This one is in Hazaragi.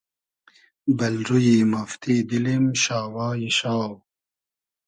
بئل رویی مافتی دیلیم شاوای شاو